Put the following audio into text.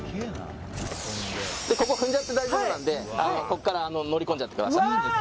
ここ、踏んじゃって大丈夫なのでここから乗り込んじゃってください。